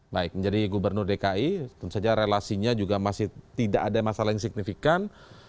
baik menjadi gubernur dki tentu saja relasinya juga masih tidak ada masalah yang signifikan